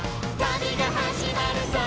「旅が始まるぞ！」